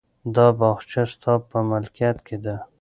دا باغچه ستا په ملکیت کې ده.